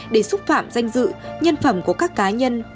để xúc phạm danh dự nhân phẩm của các cá nhân